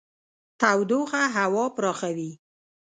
تودوخه هوا پراخوي.